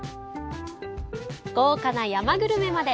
豪華な山グルメまで。